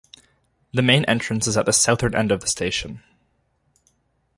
The main entrance is at the southern end of the station.